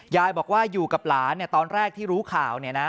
ยายบอกว่าอยู่กับหลานตอนแรกที่รู้ข่าวเนี่ยนะ